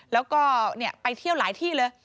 แล้วก็ไปเที่ยวหลายที่เลย